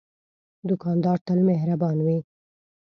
دوکاندار تل مهربان وي.